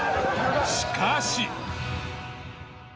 しかし。